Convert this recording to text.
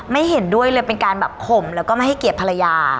ไม่เห็นด้วยเลยเป็นการแบบข่มแล้วก็ไม่ให้เกียรติภรรยา